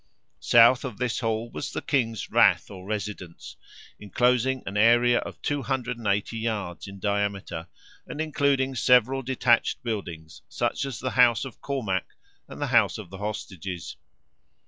South of this hall was the King's Rath, or residence, enclosing an area of 280 yards in diameter, and including several detached buildings, such as the house of Cormac, and the house of the hostages.